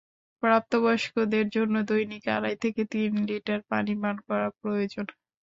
প্রাপ্তবয়স্কদের জন্য দৈনিক আড়াই থেকে তিন লিটার পানি পান করা প্রয়োজন।